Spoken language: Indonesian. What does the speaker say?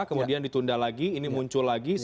kemudian ditunda lagi ini muncul lagi